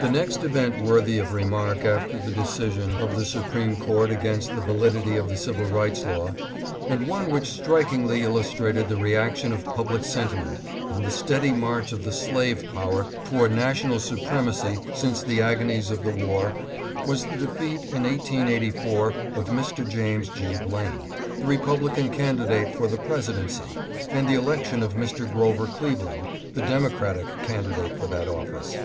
THE next event worthy of remark after the decision of the Supreme Court against the validity of the Civil Rights Law, and one which strikingly illustrated the reaction of public sentiment and the steady march of the slave power toward national supremacy since the agonies of the war, was the defeat in 1884 of Mr. James G. Blaine, the Republican candidate for the presidency, and the election of Mr. Grover Cleveland, the Demo cratic candidate for that office.